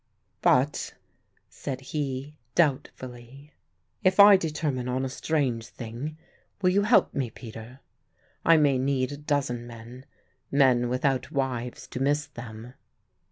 "But," said he doubtfully, "if I determine on a strange thing, will you help me, Peter? I may need a dozen men; men without wives to miss them."